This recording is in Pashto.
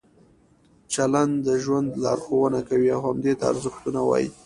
چلند د ژوند لارښوونه کوي او همدې ته ارزښتونه وایي.